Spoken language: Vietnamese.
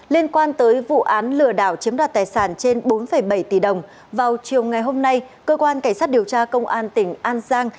liên quan tới vụ án lừa đảo chiếm đoạt tài sản trên bốn bảy tỷ đồng vào chiều ngày hôm nay cơ quan cảnh sát điều tra công an tỉnh an giang